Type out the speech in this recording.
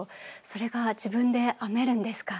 それが自分で編めるんですか？